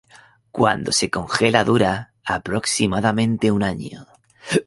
Cuando se congela dura aproximadamente un año.